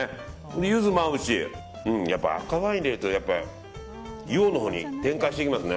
ユズも合うしやっぱ赤ワイン入れると洋のほうに展開していきますね。